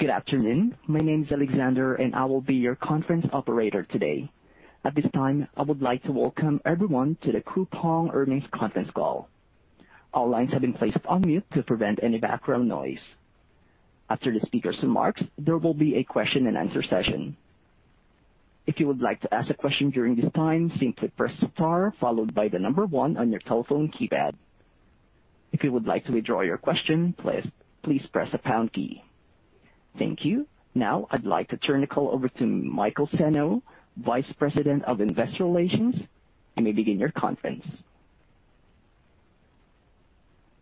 Good afternoon. My name is Alexander, and I will be your conference operator today. At this time, I would like to welcome everyone to the Coupang earnings conference call. All lines have been placed on mute to prevent any background noise. After the speaker's remarks, there will be a question and answer session. If you would like to ask a question during this time, simply press star followed by the number one on your telephone keypad. If you would like to withdraw your question, please press the pound key. Thank you. Now I'd like to turn the call over to Michael Senno, Vice President of Investor Relations. You may begin your conference.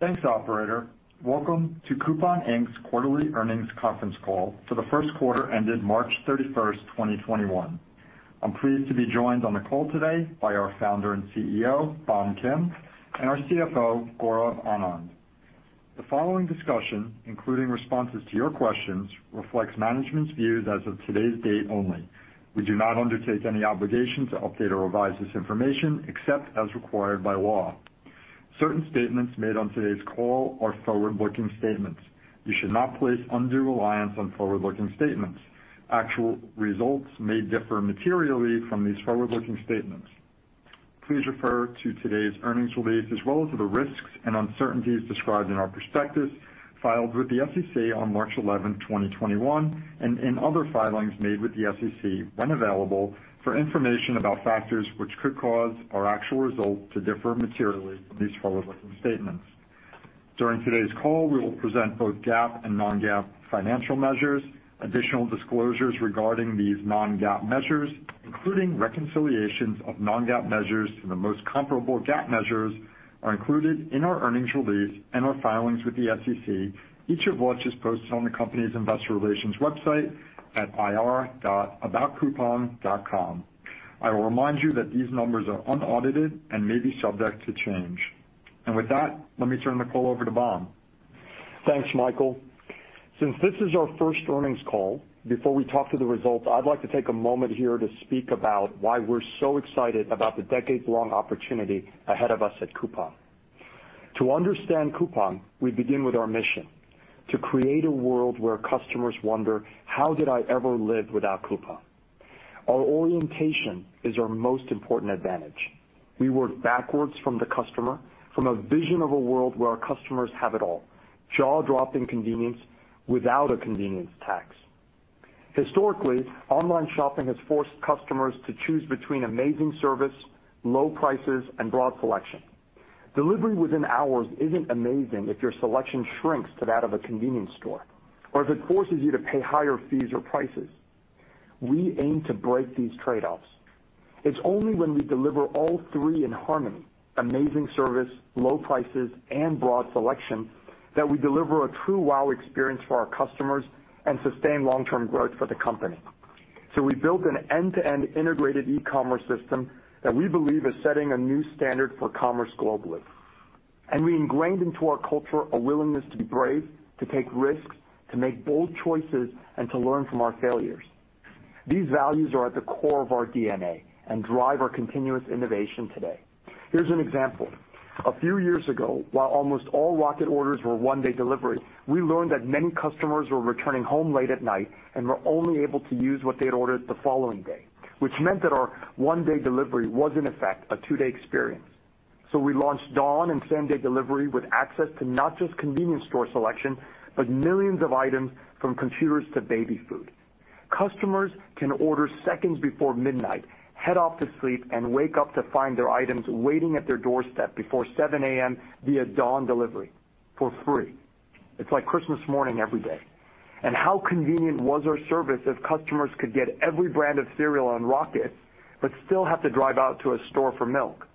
Thanks, operator. Welcome to Coupang, Inc.'s quarterly earnings conference call for the first quarter ended March 31st, 2021. I'm pleased to be joined on the call today by our founder and CEO, Bom Kim, and our CFO, Gaurav Anand. The following discussion, including responses to your questions, reflects management's views as of today's date only. We do not undertake any obligation to update or revise this information except as required by law. Certain statements made on today's call are forward-looking statements. You should not place undue reliance on forward-looking statements. Actual results may differ materially from these forward-looking statements. Please refer to today's earnings release, as well as to the risks and uncertainties described in our prospectus filed with the SEC on March 11th, 2021, and in other filings made with the SEC, when available, for information about factors which could cause our actual results to differ materially from these forward-looking statements. During today's call, we will present both GAAP and non-GAAP financial measures. Additional disclosures regarding these non-GAAP measures, including reconciliations of non-GAAP measures to the most comparable GAAP measures, are included in our earnings release and our filings with the SEC, each of which is posted on the company's investor relations website at ir.aboutcoupang.com. I will remind you that these numbers are unaudited and may be subject to change. With that, let me turn the call over to Bom. Thanks, Michael. Since this is our first earnings call, before we talk to the results, I'd like to take a moment here to speak about why we're so excited about the decades-long opportunity ahead of us at Coupang. To understand Coupang, we begin with our mission: to create a world where customers wonder, "How did I ever live without Coupang?" Our orientation is our most important advantage. We work backwards from the customer, from a vision of a world where our customers have it all, jaw-dropping convenience without a convenience tax. Historically, online shopping has forced customers to choose between amazing service, low prices, and broad selection. Delivery within hours isn't amazing if your selection shrinks to that of a convenience store or if it forces you to pay higher fees or prices. We aim to break these trade-offs. It's only when we deliver all three in harmony, amazing service, low prices, and broad selection, that we deliver a true wow experience for our customers and sustain long-term growth for the company. We built an end-to-end integrated e-commerce system that we believe is setting a new standard for commerce globally. We ingrained into our culture a willingness to be brave, to take risks, to make bold choices, and to learn from our failures. These values are at the core of our DNA and drive our continuous innovation today. Here's an example. A few years ago, while almost all Rocket orders were one-day delivery, we learned that many customers were returning home late at night and were only able to use what they had ordered the following day, which meant that our one-day delivery was in effect a two-day experience. We launched dawn and same-day delivery with access to not just convenience store selection, but millions of items from computers to baby food. Customers can order seconds before midnight, head off to sleep and wake up to find their items waiting at their doorstep before 7:00 A.M. via dawn delivery for free. It's like Christmas morning every day. How convenient was our service if customers could get every brand of cereal on Rocket, but still have to drive out to a store for milk?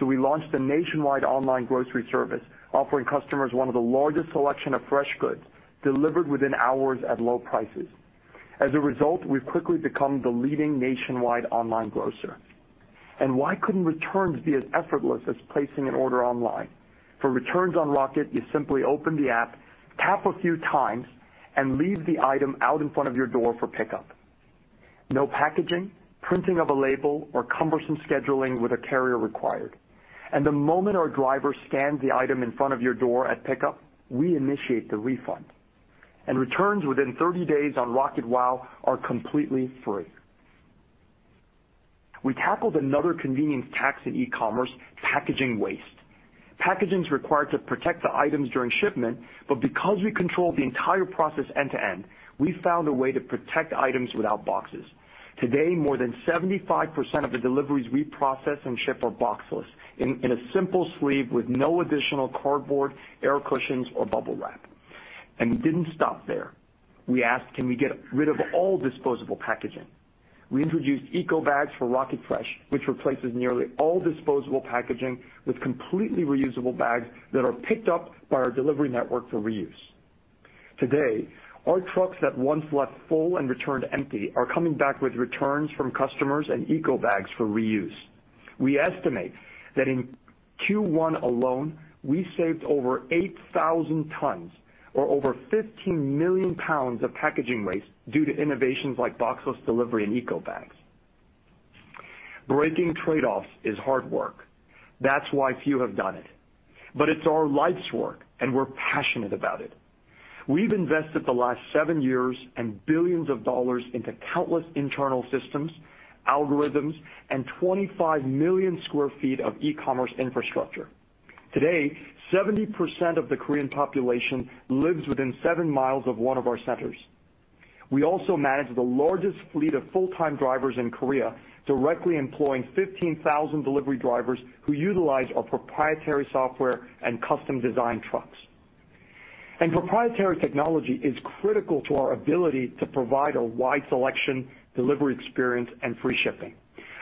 We launched a nationwide online grocery service offering customers one of the largest selection of fresh goods delivered within hours at low prices. As a result, we've quickly become the leading nationwide online grocer. Why couldn't returns be as effortless as placing an order online? For returns on Rocket, you simply open the app, tap a few times, and leave the item out in front of your door for pickup. No packaging, printing of a label, or cumbersome scheduling with a carrier required. The moment our driver scans the item in front of your door at pickup, we initiate the refund. Returns within 30 days on Rocket WOW are completely free. We tackled another convenience tax in e-commerce, packaging waste. Packaging is required to protect the items during shipment, but because we control the entire process end to end, we found a way to protect items without boxes. Today, more than 75% of the deliveries we process and ship are boxless in a simple sleeve with no additional cardboard, air cushions, or bubble wrap. We didn't stop there. We asked, "Can we get rid of all disposable packaging?" We introduced eco bags for Rocket Fresh, which replaces nearly all disposable packaging with completely reusable bags that are picked up by our delivery network for reuse. Today, our trucks that once left full and returned empty are coming back with returns from customers and eco bags for reuse. We estimate that in Q1 alone, we saved over 8,000 tons or over 15 million pounds of packaging waste due to innovations like boxless delivery and eco bags. Breaking trade-offs is hard work. That's why few have done it. It's our life's work, and we're passionate about it. We've invested the last seven years and billions of dollars into countless internal systems, algorithms, and 25 million sq ft of e-commerce infrastructure. Today, 70% of the Korean population lives within seven miles of one of our centers. We also manage the largest fleet of full-time drivers in Korea, directly employing 15,000 delivery drivers who utilize our proprietary software and custom-designed trucks. Proprietary technology is critical to our ability to provide a wide selection, delivery experience, and free shipping.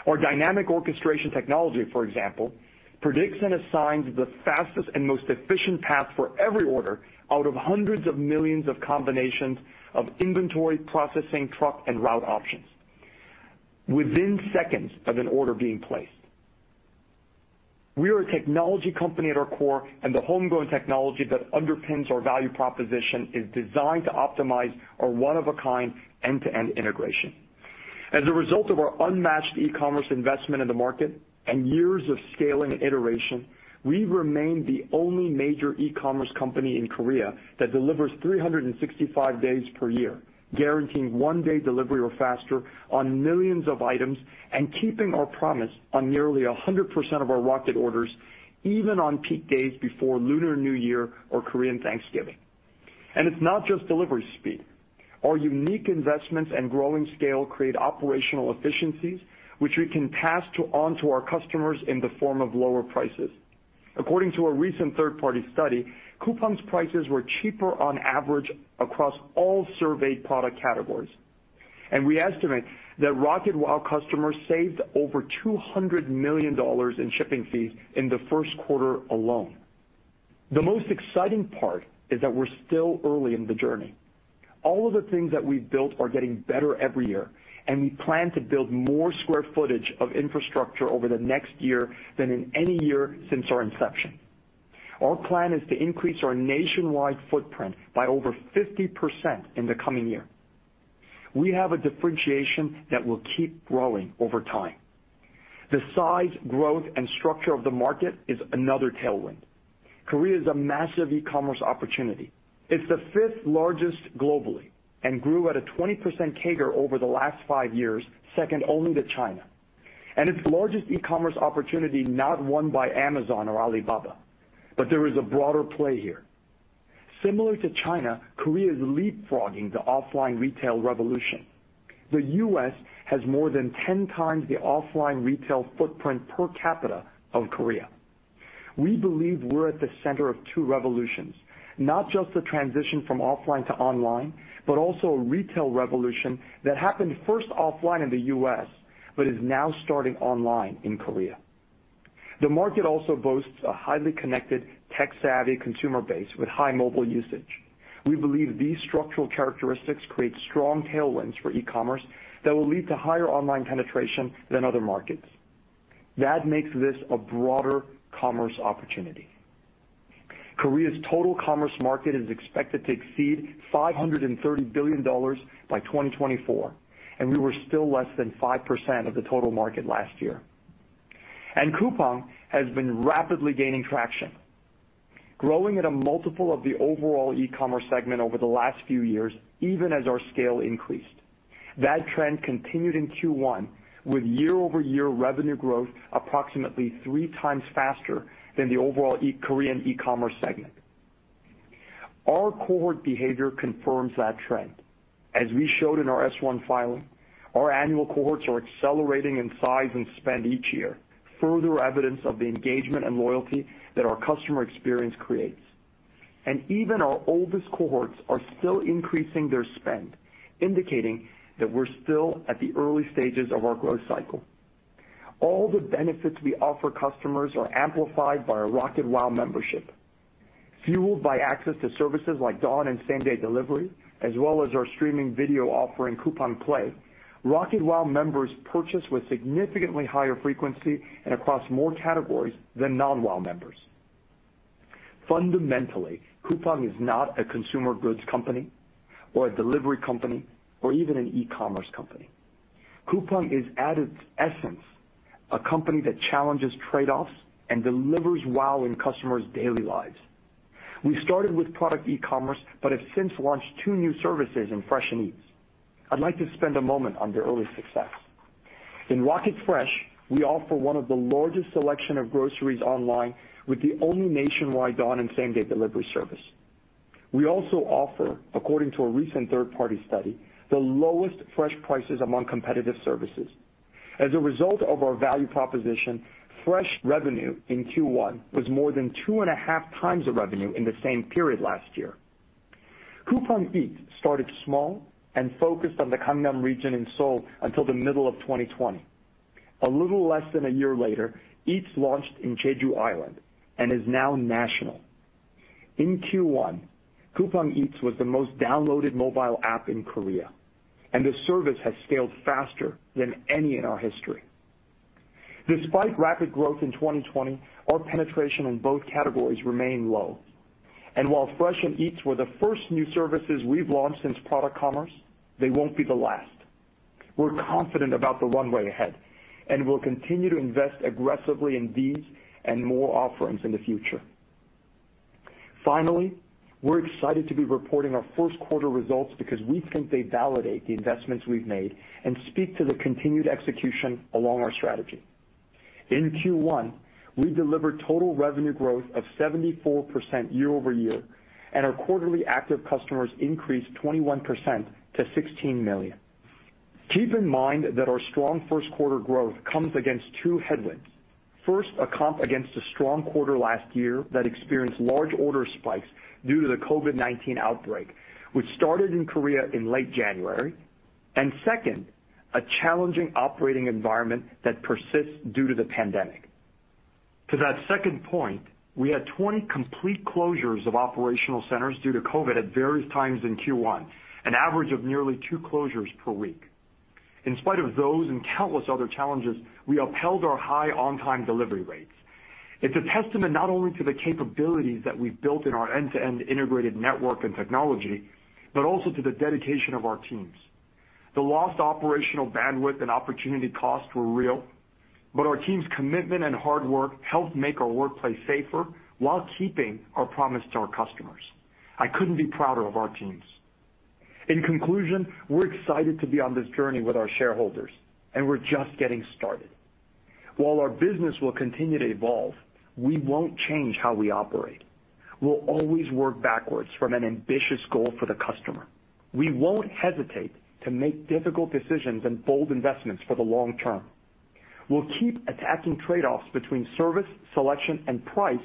Our dynamic orchestration technology, for example, predicts and assigns the fastest and most efficient path for every order out of 100s of millions of combinations of inventory, processing, truck, and route options within seconds of an order being placed. We are a technology company at our core, and the homegrown technology that underpins our value proposition is designed to optimize our one-of-a-kind end-to-end integration. As a result of our unmatched e-commerce investment in the market and years of scaling and iteration, we've remained the only major e-commerce company in Korea that delivers 365 days per year, guaranteeing one-day delivery or faster on millions of items and keeping our promise on nearly 100% of our Rocket orders, even on peak days before Lunar New Year or Korean Thanksgiving. It's not just delivery speed. Our unique investments and growing scale create operational efficiencies, which we can pass on to our customers in the form of lower prices. According to a recent third-party study, Coupang's prices were cheaper on average across all surveyed product categories. We estimate that Rocket WOW customers saved over $200 million in shipping fees in the first quarter alone. The most exciting part is that we're still early in the journey. All of the things that we've built are getting better every year, and we plan to build more square footage of infrastructure over the next year than in any year since our inception. Our plan is to increase our nationwide footprint by over 50% in the coming year. We have a differentiation that will keep growing over time. The size, growth, and structure of the market is another tailwind. Korea is a massive e-commerce opportunity. It's the fifth largest globally and grew at a 20% CAGR over the last five years, second only to China. It's the largest e-commerce opportunity not won by Amazon or Alibaba. There is a broader play here. Similar to China, Korea is leapfrogging the offline retail revolution. The U.S. has more than 10 times the offline retail footprint per capita of Korea. We believe we're at the center of two revolutions, not just the transition from offline to online, but also a retail revolution that happened first offline in the U.S. but is now starting online in Korea. The market also boasts a highly connected tech-savvy consumer base with high mobile usage. We believe these structural characteristics create strong tailwinds for e-commerce that will lead to higher online penetration than other markets. That makes this a broader commerce opportunity. Korea's total commerce market is expected to exceed $530 billion by 2024, we were still less than 5% of the total market last year. Coupang has been rapidly gaining traction, growing at a multiple of the overall e-commerce segment over the last few years, even as our scale increased. That trend continued in Q1 with year-over-year revenue growth approximately three times faster than the overall Korean e-commerce segment. Our cohort behavior confirms that trend. As we showed in our S-1 filing, our annual cohorts are accelerating in size and spend each year, further evidence of the engagement and loyalty that our customer experience creates. Even our oldest cohorts are still increasing their spend, indicating that we're still at the early stages of our growth cycle. All the benefits we offer customers are amplified by our Rocket WOW membership. Fueled by access to services like dawn and same-day delivery, as well as our streaming video offering, Coupang Play, Rocket WOW members purchase with significantly higher frequency and across more categories than non-WOW members. Fundamentally, Coupang is not a consumer goods company or a delivery company or even an e-commerce company. Coupang is at its essence a company that challenges trade-offs and delivers WOW in customers' daily lives. We started with product e-commerce but have since launched two new services in Fresh and Eats. I'd like to spend a moment on their early success. In Rocket Fresh, we offer one of the largest selection of groceries online with the only nationwide dawn and same-day delivery service. We also offer, according to a recent third-party study, the lowest fresh prices among competitive services. As a result of our value proposition, Fresh revenue in Q1 was more than two and a half times the revenue in the same period last year. Coupang Eats started small and focused on the Gangnam region in Seoul until the middle of 2020. A little less than a year later, Eats launched in Jeju Island and is now national. In Q1, Coupang Eats was the most downloaded mobile app in Korea, and the service has scaled faster than any in our history. Despite rapid growth in 2020, our penetration in both categories remain low. While Fresh and Eats were the first new services we've launched since product commerce, they won't be the last. We're confident about the runway ahead. We'll continue to invest aggressively in these and more offerings in the future. Finally, we're excited to be reporting our first quarter results because we think they validate the investments we've made and speak to the continued execution along our strategy. In Q1, we delivered total revenue growth of 74% year-over-year. Our quarterly active customers increased 21% to 16 million customers. Keep in mind that our strong first quarter growth comes against two headwinds. First, a comp against a strong quarter last year that experienced large order spikes due to the COVID-19 outbreak, which started in Korea in late January. Second, a challenging operating environment that persists due to the pandemic. To that second point, we had 20 complete closures of operational centers due to COVID-19 at various times in Q1, an average of nearly two closures per week. In spite of those and countless other challenges, we upheld our high on-time delivery rates. It's a testament not only to the capabilities that we've built in our end-to-end integrated network and technology, but also to the dedication of our teams. The lost operational bandwidth and opportunity costs were real, but our team's commitment and hard work helped make our workplace safer while keeping our promise to our customers. I couldn't be prouder of our teams. In conclusion, we're excited to be on this journey with our shareholders, and we're just getting started. While our business will continue to evolve, we won't change how we operate. We'll always work backwards from an ambitious goal for the customer. We won't hesitate to make difficult decisions and bold investments for the long term. We'll keep attacking trade-offs between service, selection, and price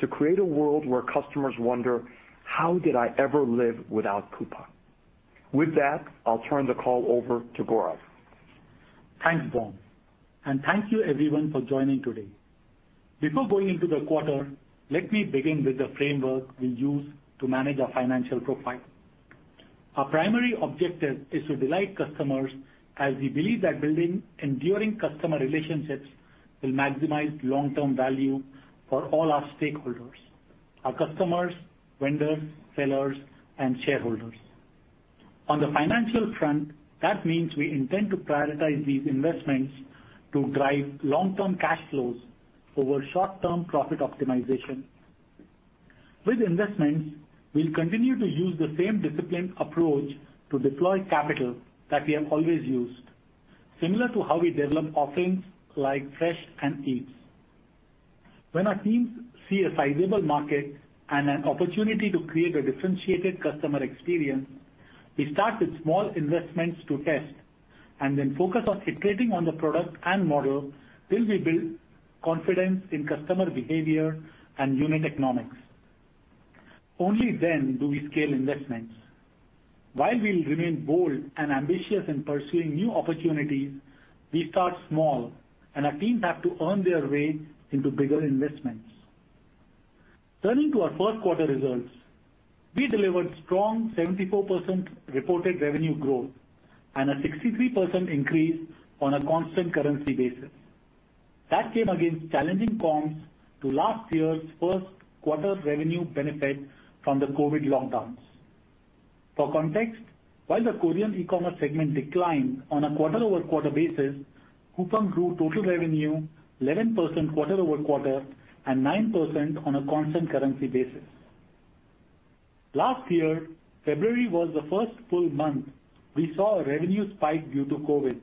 to create a world where customers wonder, "How did I ever live without Coupang?" With that, I'll turn the call over to Gaurav. Thanks, Bom Kim, and thank you everyone for joining today. Before going into the quarter, let me begin with the framework we use to manage our financial profile. Our primary objective is to delight customers, as we believe that building enduring customer relationships will maximize long-term value for all our stakeholders, our customers, vendors, sellers, and shareholders. On the financial front, that means we intend to prioritize these investments to drive long-term cash flows over short-term profit optimization. With investments, we'll continue to use the same disciplined approach to deploy capital that we have always used, similar to how we develop offerings like Fresh and Eats. When our teams see a sizable market and an opportunity to create a differentiated customer experience, we start with small investments to test, and then focus on iterating on the product and model till we build confidence in customer behavior and unit economics. Only then do we scale investments. While we'll remain bold and ambitious in pursuing new opportunities, we start small, and our teams have to earn their way into bigger investments. Turning to our first quarter results, we delivered strong 74% reported revenue growth and a 63% increase on a constant currency basis. That came against challenging comps to last year's first quarter's revenue benefit from the COVID lockdowns. For context, while the Korean e-commerce segment declined on a quarter-over-quarter basis, Coupang grew total revenue 11% quarter-over-quarter and 9% on a constant currency basis. Last year, February was the first full month we saw a revenue spike due to COVID,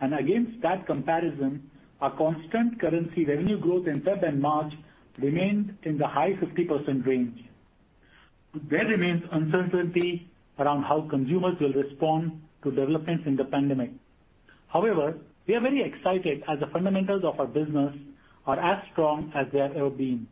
and against that comparison, our constant currency revenue growth in February and March remained in the high 50% range. There remains uncertainty around how consumers will respond to developments in the pandemic. We are very excited as the fundamentals of our business are as strong as they have ever been.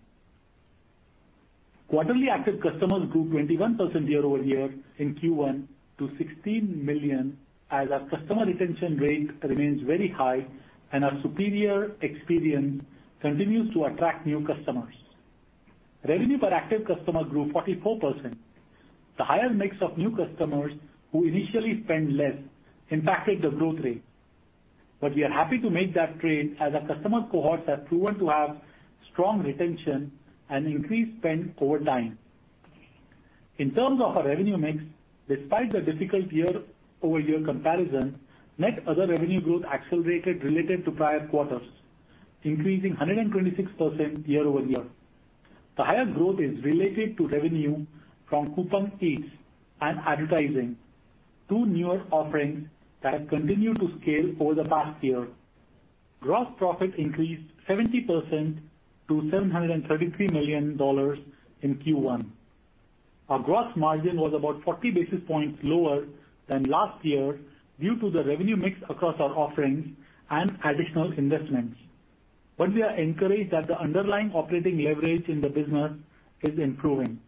Quarterly active customers grew 21% year-over-year in Q1 to 16 million customers as our customer retention rate remains very high and our superior experience continues to attract new customers. Revenue per active customer grew 44%. The higher mix of new customers who initially spend less impacted the growth rate. We are happy to make that trade as our customer cohorts have proven to have strong retention and increased spend over time. In terms of our revenue mix, despite the difficult year-over-year comparison, net other revenue growth accelerated related to prior quarters, increasing 126% year-over-year. The higher growth is related to revenue from Coupang Eats and advertising, two newer offerings that have continued to scale over the past year. Gross profit increased 70% to $733 million in Q1. Our gross margin was about 40 basis points lower than last year due to the revenue mix across our offerings and additional investments. We are encouraged that the underlying operating leverage in the business is improving.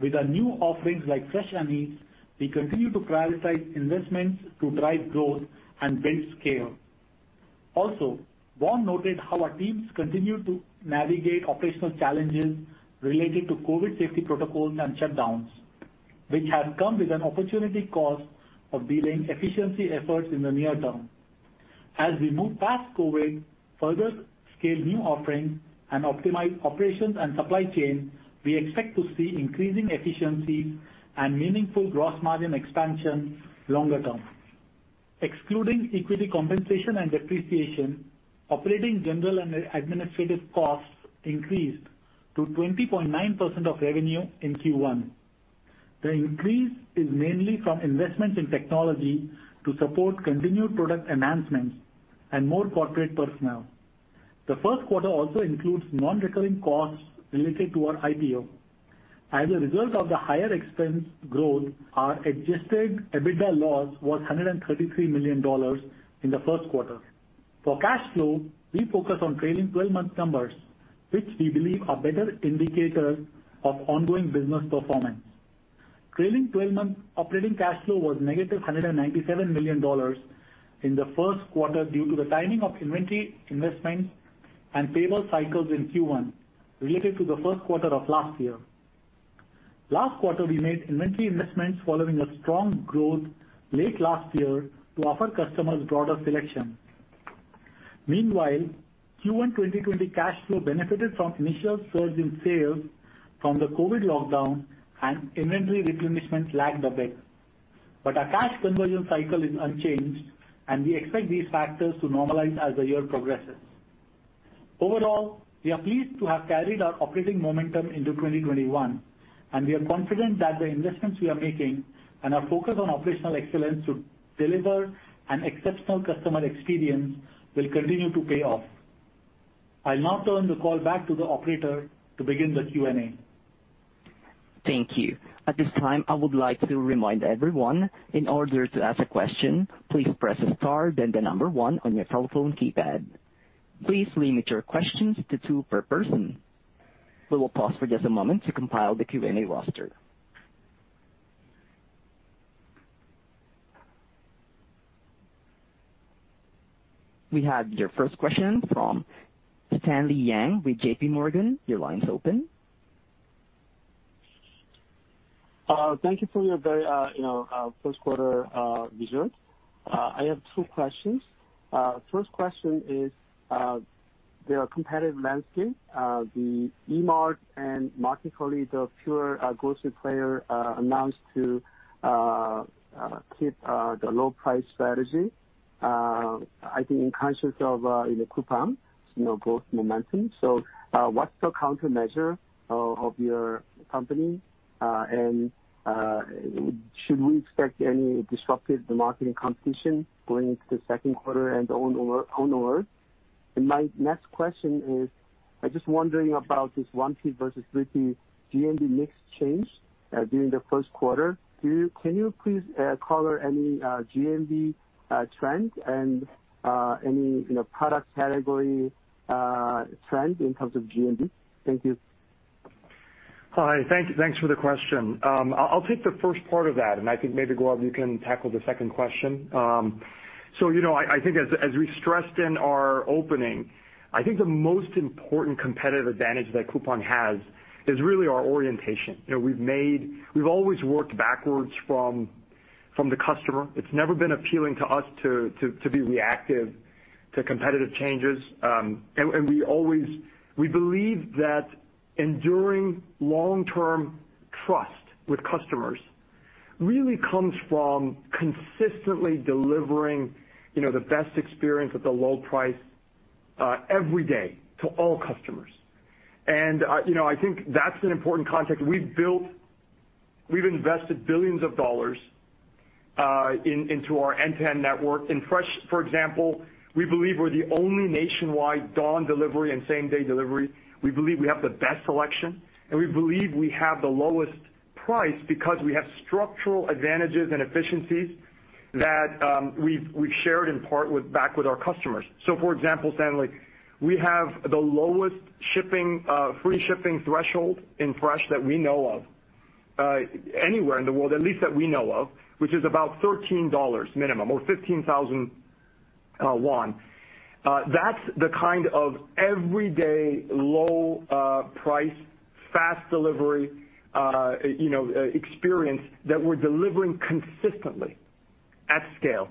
With our new offerings like Rocket Fresh and Coupang Eats, we continue to prioritize investments to drive growth and build scale. Bom Kim noted how our teams continue to navigate operational challenges related to COVID safety protocols and shutdowns, which have come with an opportunity cost of delaying efficiency efforts in the near term. As we move past COVID, further scale new offerings, and optimize operations and supply chain, we expect to see increasing efficiencies and meaningful gross margin expansion longer term. Excluding equity compensation and depreciation, operating general and administrative costs increased to 20.9% of revenue in Q1. The increase is mainly from investments in technology to support continued product enhancements and more corporate personnel. The first quarter also includes non-recurring costs related to our IPO. As a result of the higher expense growth, our adjusted EBITDA loss was $133 million in the first quarter. For cash flow, we focus on trailing 12-month numbers, which we believe are better indicators of ongoing business performance. Trailing 12-month operating cash flow was negative $197 million in the first quarter due to the timing of inventory investments and payable cycles in Q1 related to the first quarter of last year. Last quarter, we made inventory investments following a strong growth late last year to offer customers broader selection. Meanwhile, Q1 2020 cash flow benefited from initial surge in sales from the COVID-19 lockdown and inventory replenishment lagged a bit. Our cash conversion cycle is unchanged, and we expect these factors to normalize as the year progresses. Overall, we are pleased to have carried our operating momentum into 2021, and we are confident that the investments we are making and our focus on operational excellence to deliver an exceptional customer experience will continue to pay off. I'll now turn the call back to the operator to begin the Q&A. Thank you. At this time, I would like to remind everyone, in order to ask a question, please press star then the number one on your telephone keypad. Please limit your questions to two per person. We will pause for just a moment to compile the Q&A roster. We have your first question from Stanley Yang with JPMorgan. Your line is open. Thank you for your first quarter results. I have two questions. First question is the competitive landscape. The E-mart and market leader pure grocery player announced to keep the low price strategy. I think in conscious of the Coupang growth momentum. What's the countermeasure of your company? Should we expect any disruptive marketing competition going into the second quarter and onward? My next question is, I'm just wondering about this 1P versus 3P GMV mix change during the first quarter. Can you please color any GMV trend and any product category trend in terms of GMV? Thank you. Hi, thanks for the question. I'll take the first part of that, and I think maybe, Gaurav, you can tackle the second question. I think as we stressed in our opening, I think the most important competitive advantage that Coupang has is really our orientation. We've always worked backwards from the customer. It's never been appealing to us to be reactive to competitive changes. We believe that enduring long-term trust with customers really comes from consistently delivering the best experience at the low price every day to all customers. I think that's an important context. We've invested billions of dollars into our end-to-end network. In Fresh, for example, we believe we're the only nationwide dawn delivery and same-day delivery. We believe we have the best selection, we believe we have the lowest price because we have structural advantages and efficiencies that we've shared in part back with our customers. For example, Stanley, we have the lowest free shipping threshold in Fresh that we know of anywhere in the world, at least that we know of, which is about $13 minimum or 15,000 won. That's the kind of everyday low price, fast delivery experience that we're delivering consistently at scale.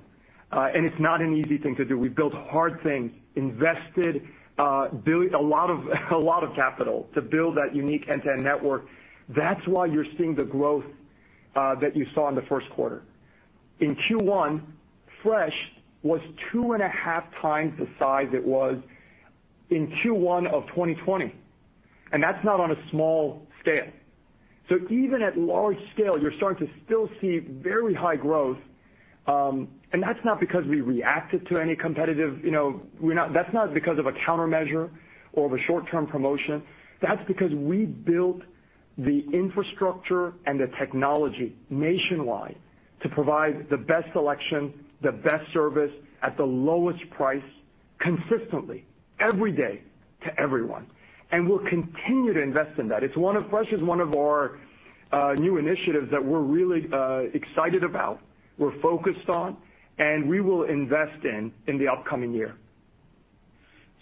It's not an easy thing to do. We've built hard things, invested a lot of capital to build that unique end-to-end network. That's why you're seeing the growth that you saw in the first quarter. In Q1, Fresh was two and a half times the size it was in Q1 of 2020. That's not on a small scale. Even at large scale, you're starting to still see very high growth. That's not because of a countermeasure or of a short-term promotion. That's because we built the infrastructure and the technology nationwide to provide the best selection, the best service at the lowest price consistently every day to everyone. We'll continue to invest in that. Fresh is one of our new initiatives that we're really excited about, we're focused on, and we will invest in in the upcoming year.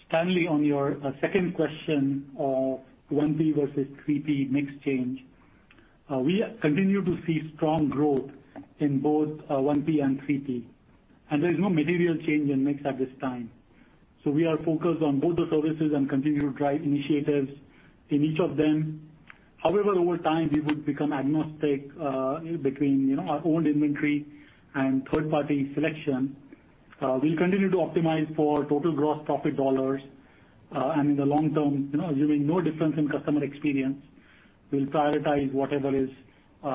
Stanley, on your second question of 1P versus 3P mix change, we continue to see strong growth in both 1P and 3P, and there is no material change in mix at this time. We are focused on both the services and continue to drive initiatives in each of them. However, over time, we would become agnostic between our own inventory and third-party selection. We continue to optimize for total gross profit dollars, and in the long term, assuming no difference in customer experience, we'll prioritize whatever is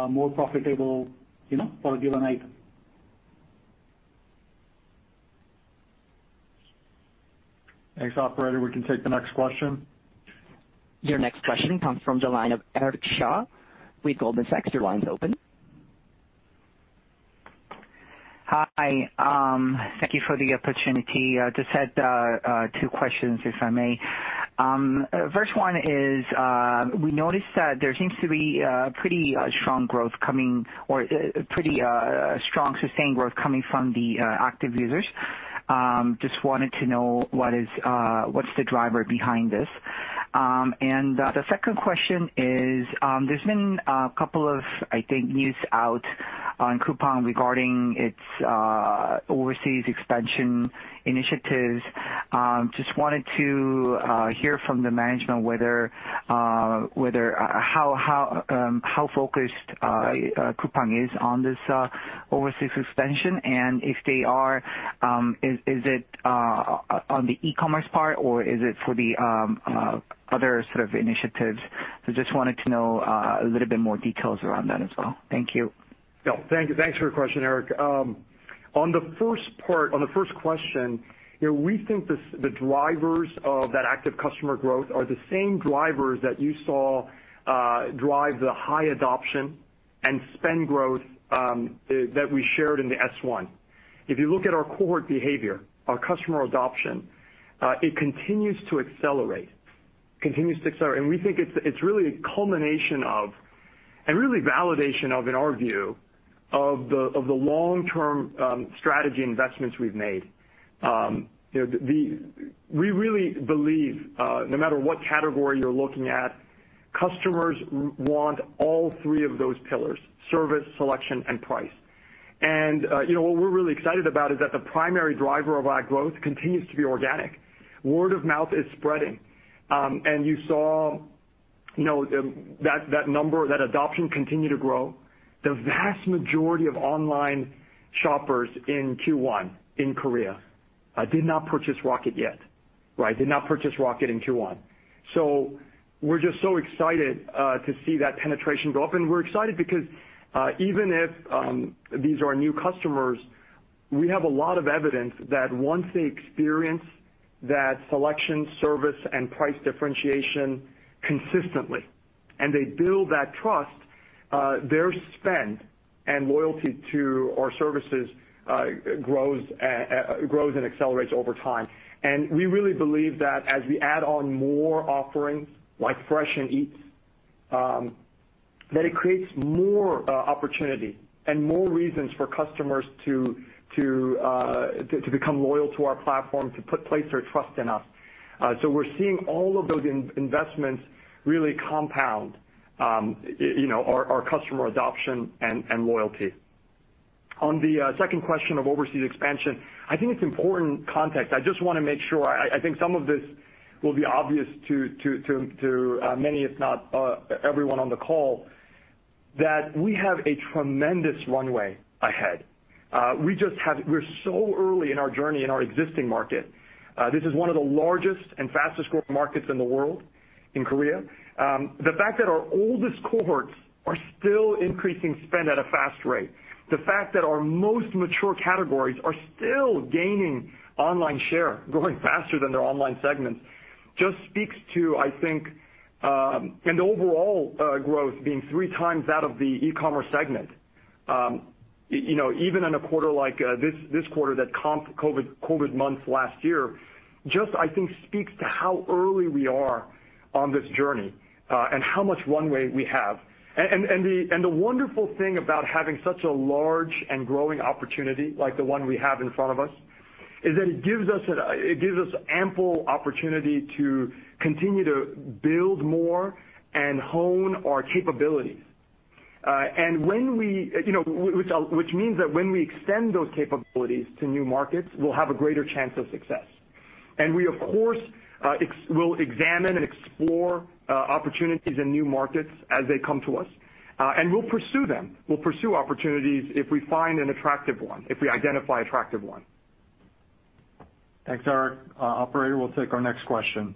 more profitable for a given item. Thanks, operator. We can take the next question. Your next question comes from the line of Eric Cha with Goldman Sachs. Your line is open. Hi. Thank you for the opportunity. Just had two questions, if I may. First one is we noticed that there seems to be pretty strong sustained growth coming from the active users. Just wanted to know what's the driver behind this. The second question is there's been a couple of, I think, news out on Coupang regarding its overseas expansion initiatives. Just wanted to hear from the management how focused Coupang is on this overseas expansion, and if they are, is it on the e-commerce part, or is it for the other sort of initiatives? Just wanted to know a little bit more details around that as well. Thank you. Thanks for your question, Eric. On the first question, we think the drivers of that active customer growth are the same drivers that you saw drive the high adoption and spend growth that we shared in the S1. If you look at our cohort behavior, our customer adoption, it continues to accelerate. We think it's really a culmination of and really validation of, in our view, of the long-term strategy investments we've made. We really believe, no matter what category you're looking at, customers want all three of those pillars, service, selection, and price. What we're really excited about is that the primary driver of our growth continues to be organic. Word of mouth is spreading. You saw that adoption continue to grow. The vast majority of online shoppers in Q1 in Korea did not purchase Rocket yet. Did not purchase Rocket in Q1. We're just so excited to see that penetration go up, and we're excited because even if these are our new customers, we have a lot of evidence that once they experience that selection, service, and price differentiation consistently, and they build that trust, their spend and loyalty to our services grows and accelerates over time. We really believe that as we add on more offerings like Fresh and Eats that it creates more opportunity and more reasons for customers to become loyal to our platform, to place their trust in us. We're seeing all of those investments really compound our customer adoption and loyalty. On the second question of overseas expansion, I think it's important context. I just want to make sure, I think some of this will be obvious to many, if not everyone on the call, that we have a tremendous runway ahead. We're so early in our journey in our existing market. This is one of the largest and fastest-growing markets in the world, in Korea. The fact that our oldest cohorts are still increasing spend at a fast rate, the fact that our most mature categories are still gaining online share, growing faster than their online segments just speaks to, I think, and overall growth being three times that of the e-commerce segment. Even in a quarter like this quarter that comped COVID months last year just, I think, speaks to how early we are on this journey, and how much runway we have. The wonderful thing about having such a large and growing opportunity like the one we have in front of us is that it gives us ample opportunity to continue to build more and hone our capabilities. Which means that when we extend those capabilities to new markets, we'll have a greater chance of success. We, of course, will examine and explore opportunities in new markets as they come to us. We'll pursue them. We'll pursue opportunities if we find an attractive one, if we identify attractive one. Thanks, Eric. Operator, we'll take our next question.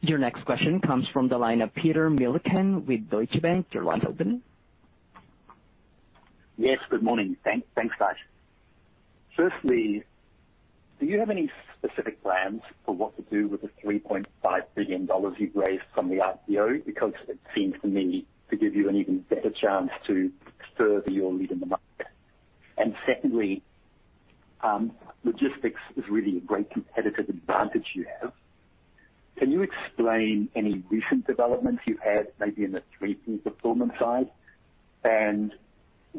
Your next question comes from the line of Peter Milliken with Deutsche Bank. Your line's open. Yes, good morning. Thanks, guys. Firstly, do you have any specific plans for what to do with the $3.5 billion you've raised from the IPO? It seems to me to give you an even better chance to further your lead in the market. Secondly, logistics is really a great competitive advantage you have. Can you explain any recent developments you've had maybe in the 3P fulfillment side, and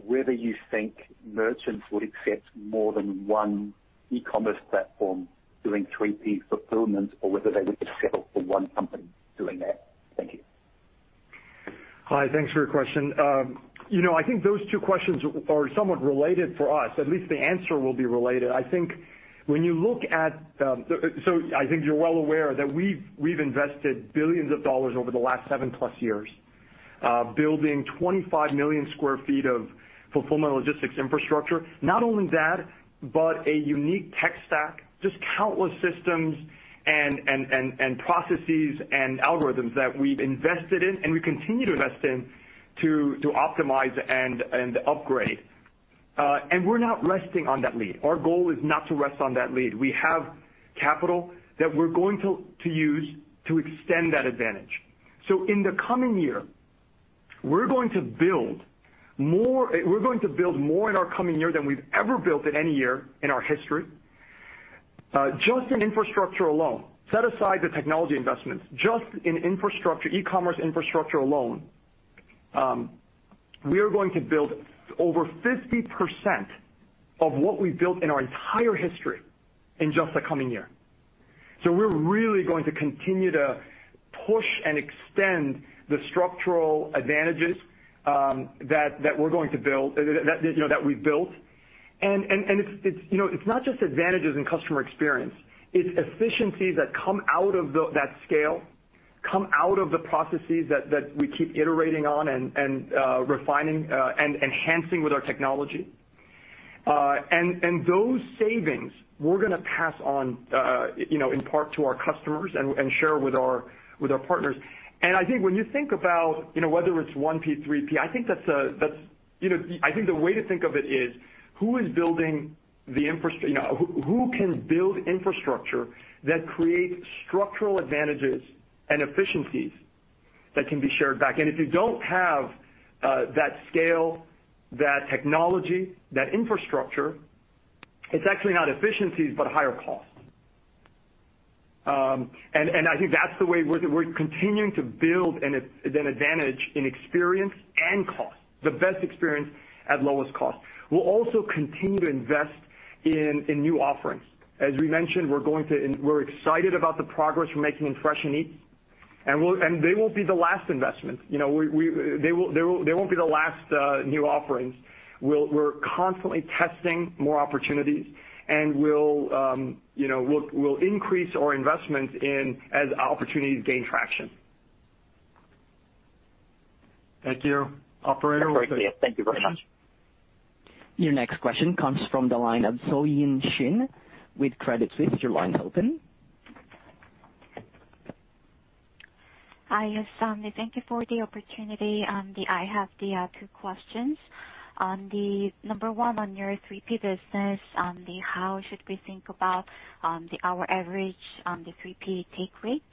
whether you think merchants would accept more than one e-commerce platform doing 3P fulfillment or whether they would just settle for one company doing that? Thank you. Hi. Thanks for your question. I think those two questions are somewhat related for us, at least the answer will be related. I think you're well aware that we've invested billions of dollars over the last 7+ years, building 25 million sq ft of fulfillment logistics infrastructure. Not only that, but a unique tech stack, just countless systems and processes and algorithms that we've invested in and we continue to invest in to optimize and upgrade. We're not resting on that lead. Our goal is not to rest on that lead. We have capital that we're going to use to extend that advantage. In the coming year, we're going to build more in our coming year than we've ever built in any year in our history. Just in infrastructure alone, set aside the technology investments, just in e-commerce infrastructure alone, we are going to build over 50% of what we've built in our entire history in just the coming year. We're really going to continue to push and extend the structural advantages that we've built. It's not just advantages in customer experience. It's efficiencies that come out of that scale, come out of the processes that we keep iterating on and refining and enhancing with our technology. Those savings, we're going to pass on in part to our customers and share with our partners. I think when you think about whether it's 1P, 3P, I think the way to think of it is who can build infrastructure that creates structural advantages and efficiencies that can be shared back. If you don't have that scale, that technology, that infrastructure, it's actually not efficiencies, but higher cost. I think that's the way we're continuing to build an advantage in experience and cost, the best experience at lowest cost. We'll also continue to invest in new offerings. As we mentioned, we're excited about the progress we're making in Fresh and Eats, and they won't be the last investment. They won't be the last new offerings. We're constantly testing more opportunities, and we'll increase our investments as opportunities gain traction. Thank you. Operator. Thank you very much. Your next question comes from the line of Soyun Shin with Credit Suisse. Your line's open. Hi, yes. Thank you for the opportunity. I have two questions. The number one on your 3P business on how should we think about our average on the 3P take rate,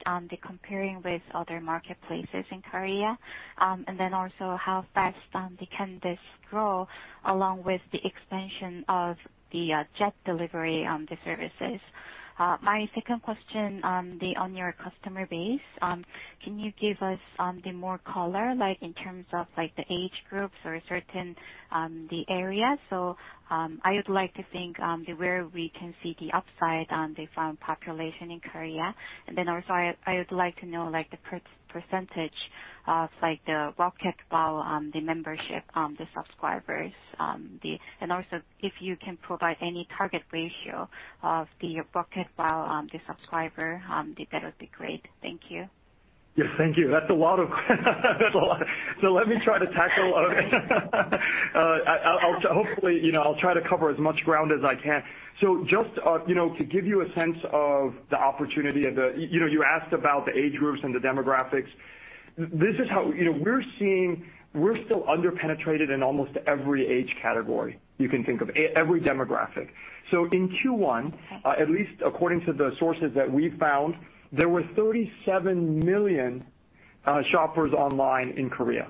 comparing with other marketplaces in Korea. Also how fast can this grow along with the expansion of the Jet Delivery services. My second question on your customer base. Can you give us more color, like in terms of the age groups or a certain area? I would like to think where we can see the upside on the population in Korea. Also, I would like to know the percentage of the Rocket WOW membership, the subscribers. Also if you can provide any target ratio of the Rocket WOW subscriber that would be great. Thank you. Yes. Thank you. That's a lot of questions. Let me try to tackle all of it. Hopefully, I'll try to cover as much ground as I can. Just to give you a sense of the opportunity and you asked about the age groups and the demographics. We're still under-penetrated in almost every age category you can think of, every demographic. In Q1, at least according to the sources that we've found, there were 37 million shoppers online in Korea,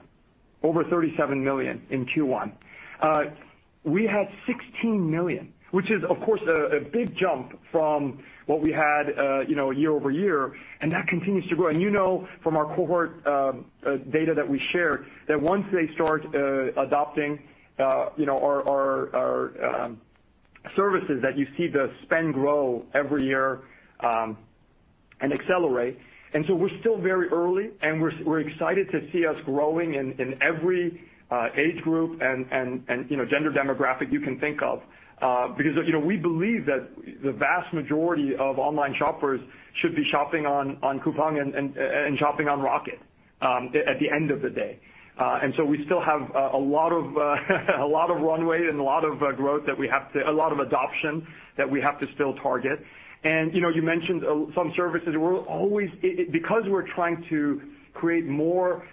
over 37 million in Q1. We had 16 million, which is, of course, a big jump from what we had year-over-year, and that continues to grow. You know from our cohort data that we share that once they start adopting our services that you see the spend grow every year and accelerate. We're still very early, and we're excited to see us growing in every age group and gender demographic you can think of, because we believe that the vast majority of online shoppers should be shopping on Coupang and shopping on Rocket at the end of the day. We still have a lot of runway and a lot of growth, a lot of adoption that we have to still target. You mentioned some services. Because we're trying to create more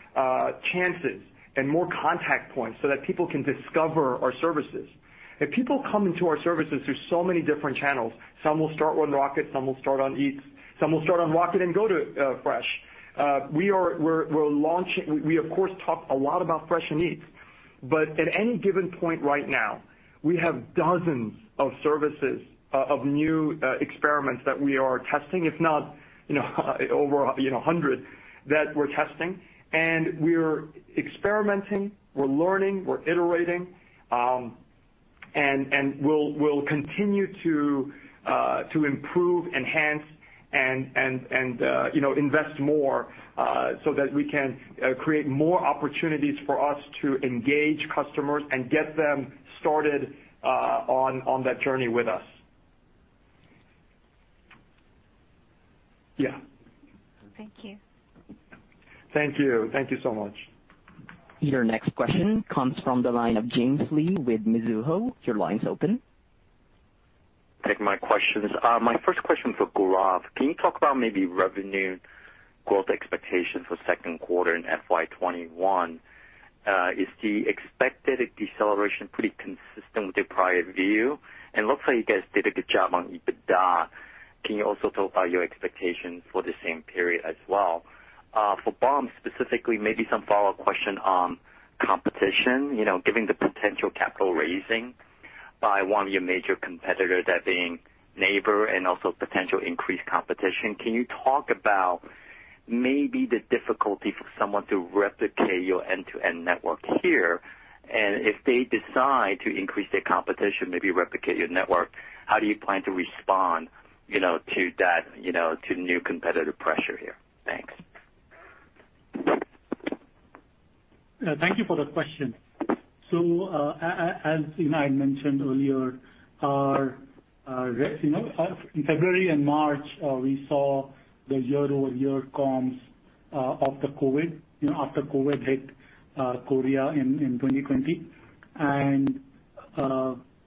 chances and more contact points so that people can discover our services. If people come into our services through so many different channels, some will start with Rocket, some will start on Eats, some will start on Rocket and go to Fresh. We of course talk a lot about Fresh and Eats. At any given point right now, we have dozens of services of new experiments that we are testing, if not over 100 experiments that we're testing. We're experimenting, we're learning, we're iterating. We'll continue to improve, enhance, and invest more, so that we can create more opportunities for us to engage customers and get them started on that journey with us. Yeah. Thank you. Thank you. Thank you so much. Your next question comes from the line of James Lee with Mizuho. Your line's open. Thank you. My questions. My first question for Gaurav. Can you talk about maybe revenue growth expectations for second quarter in FY 2021? Is the expected deceleration pretty consistent with your prior view? Looks like you guys did a good job on EBITDA. Can you also talk about your expectations for the same period as well? For Bom Kim specifically, maybe some follow-up question on competition. Given the potential capital raising by one of your major competitor, that being Naver, and also potential increased competition, can you talk about maybe the difficulty for someone to replicate your end-to-end network here? If they decide to increase their competition, maybe replicate your network, how do you plan to respond to new competitive pressure here? Thanks. Thank you for the question. As I mentioned earlier, in February and March, we saw the year-over-year comps after COVID-19 hit Korea in 2020.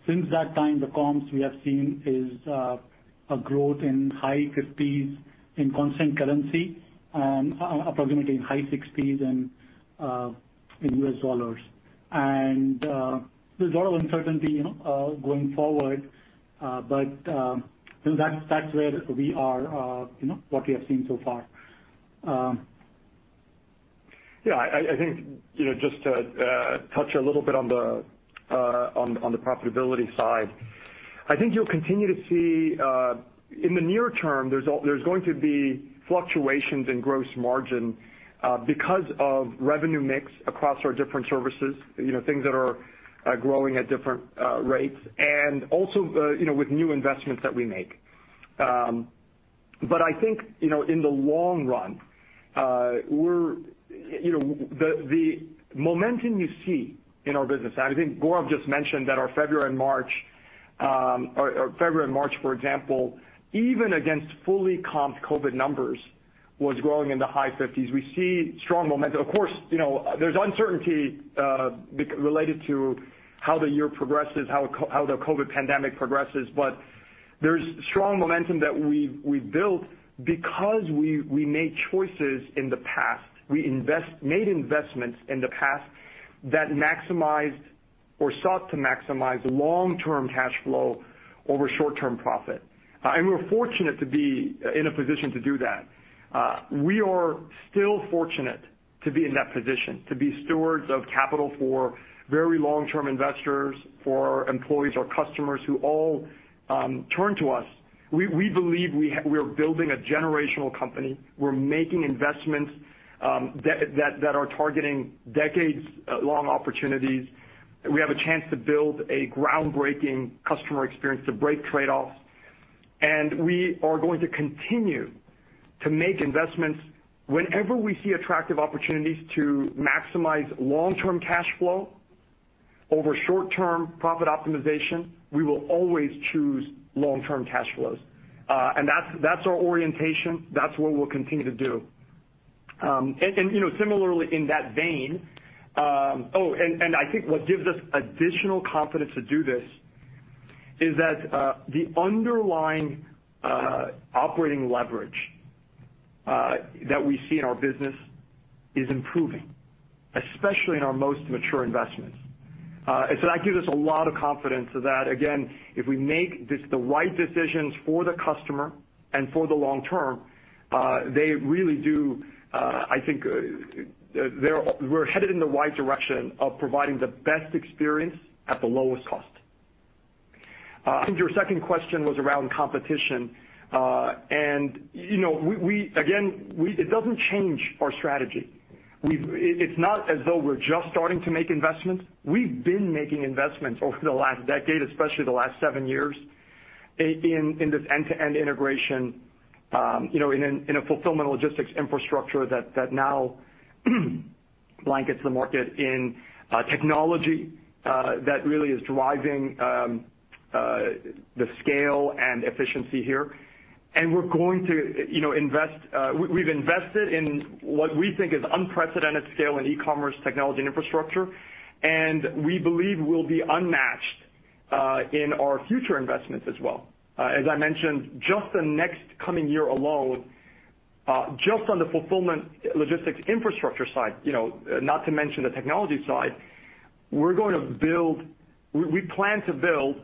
Since that time, the comps we have seen is a growth in high 50s in constant currency, approximately in high 60s in US dollars. There's a lot of uncertainty going forward. That's where we are, what we have seen so far. Yeah, I think, just to touch a little bit on the profitability side, I think you'll continue to see, in the near term, there's going to be fluctuations in gross margin because of revenue mix across our different services, things that are growing at different rates and also with new investments that we make. I think, in the long run, the momentum you see in our business, and I think Gaurav just mentioned that our February and March, for example, even against fully comped COVID numbers, was growing in the high 50s. We see strong momentum. Of course, there's uncertainty related to how the year progresses, how the COVID pandemic progresses, but there's strong momentum that we've built because we made choices in the past. We made investments in the past that maximized or sought to maximize long-term cash flow over short-term profit. We're fortunate to be in a position to do that. We are still fortunate to be in that position, to be stewards of capital for very long-term investors, for our employees, our customers, who all turn to us. We believe we are building a generational company. We're making investments that are targeting decades-long opportunities. We have a chance to build a groundbreaking customer experience to break trade-offs, and we are going to continue to make investments. Whenever we see attractive opportunities to maximize long-term cash flow over short-term profit optimization, we will always choose long-term cash flows. That's our orientation. That's what we'll continue to do. Similarly, in that vein. Oh, I think what gives us additional confidence to do this is that the underlying operating leverage that we see in our business is improving, especially in our most mature investments. That gives us a lot of confidence that, again, if we make the right decisions for the customer and for the long term, they really do, I think, we're headed in the right direction of providing the best experience at the lowest cost. I think your second question was around competition. Again, it doesn't change our strategy. It's not as though we're just starting to make investments. We've been making investments over the last decade, especially the last seven years, in this end-to-end integration in a fulfillment logistics infrastructure that now blankets the market in technology that really is driving the scale and efficiency here. We've invested in what we think is unprecedented scale in e-commerce technology and infrastructure, and we believe we'll be unmatched in our future investments as well. As I mentioned, just the next coming year alone, just on the fulfillment logistics infrastructure side, not to mention the technology side, we plan to build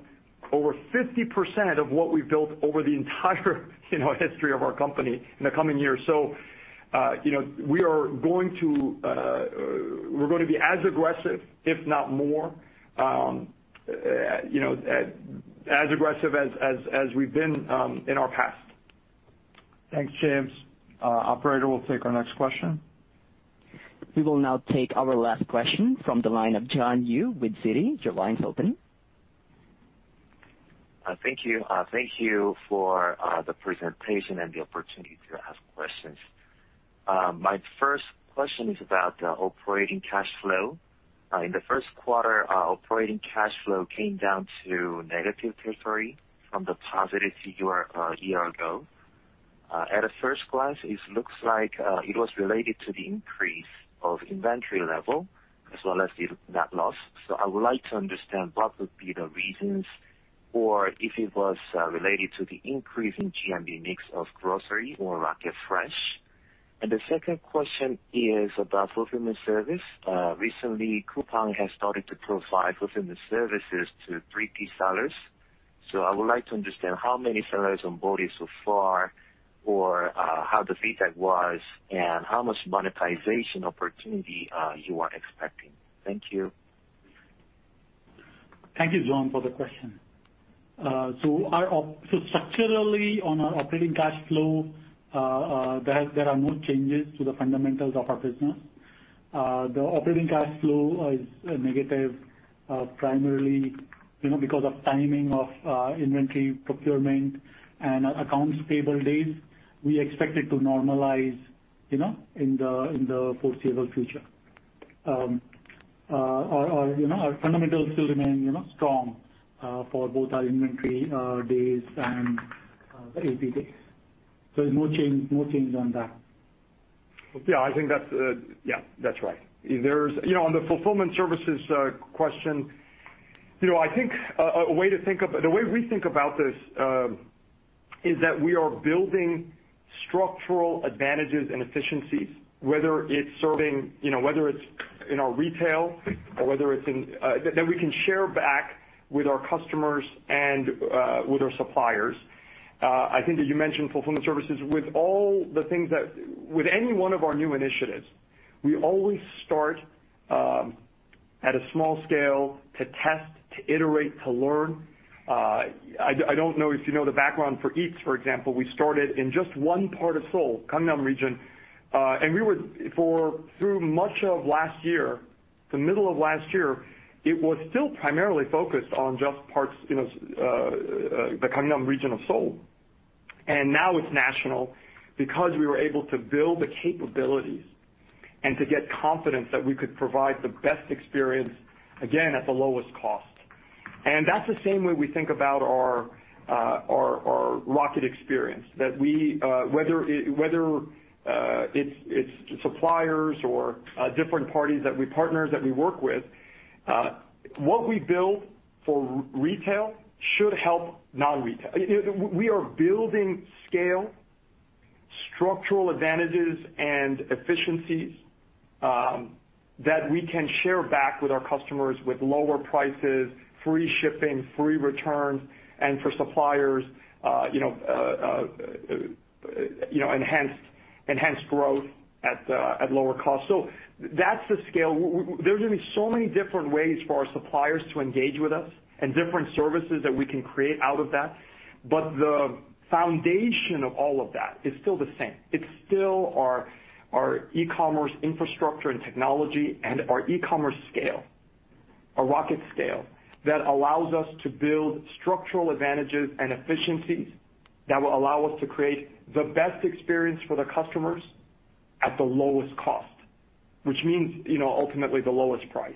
over 50% of what we've built over the entire history of our company in the coming years. We're going to be as aggressive, if not more, as aggressive as we've been in our past. Thanks, James. Operator, we'll take our next question. We will now take our last question from the line of John Yu with Citi. Your line's open. Thank you for the presentation and the opportunity to ask questions. My first question is about the operating cash flow. In the first quarter, operating cash flow came down to -KRW 23 from the positive a year ago. At a first glance, it looks like it was related to the increase of inventory level as well as net loss. I would like to understand what would be the reasons, or if it was related to the increase in GMV mix of grocery or Rocket Fresh. The second question is about fulfillment service. Recently, Coupang has started to provide fulfillment services to 3P sellers. I would like to understand how many sellers onboarded so far, or how the feedback was and how much monetization opportunity you are expecting. Thank you. Thank you, John, for the question. Structurally on our operating cash flow, there are no changes to the fundamentals of our business. The operating cash flow is negative, primarily because of timing of inventory procurement and accounts payable days. We expect it to normalize in the foreseeable future. Our fundamentals still remain strong for both our inventory days and AP days. No change on that. Yeah, that's right. On the fulfillment services question, I think a way we think about this is that we are building structural advantages and efficiencies, whether it's in our retail, that we can share back with our customers and with our suppliers. I think that you mentioned fulfillment services. With any one of our new initiatives, we always start at a small scale to test, to iterate, to learn. I don't know if you know the background for Eats, for example. We started in just one part of Seoul, Gangnam region. Through much of last year, the middle of last year, it was still primarily focused on just parts of the Gangnam region of Seoul. Now it's national because we were able to build the capabilities and to get confidence that we could provide the best experience, again, at the lowest cost. That's the same way we think about our Rocket experience. That whether it's suppliers or different parties that we partner, that we work with, what we build for retail should help non-retail. We are building scale, structural advantages, and efficiencies that we can share back with our customers with lower prices, free shipping, free returns, and for suppliers enhanced growth at lower cost. That's the scale. There's going to be so many different ways for our suppliers to engage with us and different services that we can create out of that. The foundation of all of that is still the same. It's still our e-commerce infrastructure and technology and our e-commerce scale, our Rocket scale, that allows us to build structural advantages and efficiencies that will allow us to create the best experience for the customers at the lowest cost, which means ultimately the lowest price.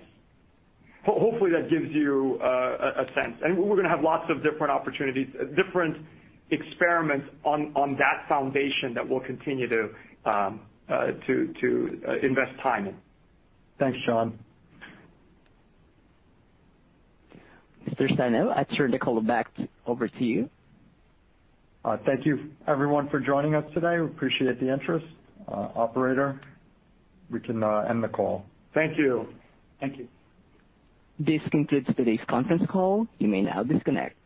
Hopefully, that gives you a sense. We're going to have lots of different opportunities, different experiments on that foundation that we'll continue to invest time in. Thanks, John. Michael Senno, I turn the call back over to you. Thank you everyone for joining us today. We appreciate the interest. Operator, we can end the call. Thank you. Thank you. This concludes today's conference call. You may now disconnect.